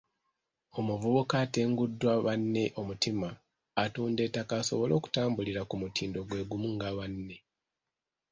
Omuvubuka atenguddwa banne omutima, atunda ettaka asobole okutambulira ku mutindo gwe gumu nga banne.